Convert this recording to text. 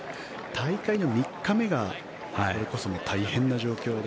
大会の３日目がそれこそ大変な状況で。